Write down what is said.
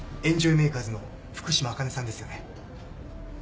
メーカーズの福島あかねさんですよね？